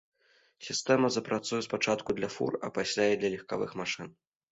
Сістэма запрацуе спачатку для фур, а пасля і для легкавых машын.